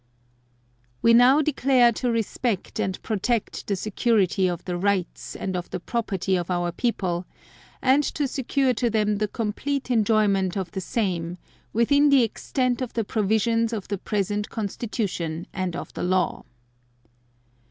We now declare to respect and protect the security of the rights and of the property of Our people, and to secure to them the complete enjoyment of the same, within the extent of the provisions of the present Constitution and of the law.